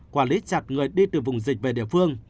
quản lý chặt người đi từ vùng dịch về địa phương